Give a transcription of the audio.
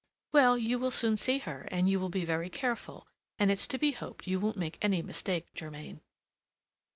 "Well, you will soon see her; you will be very careful, and it's to be hoped you won't make any mistake, Germain."